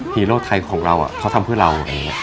ฮีโร่ไทยของเราเขาทำเพื่อเรา